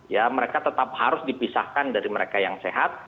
ya mereka tetap harus dipisahkan dari mereka yang sehat